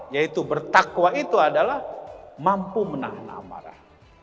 yaitu bertakwa itu adalah mampu menahan amarah